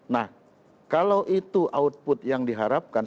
nah kalau itu output yang diharapkan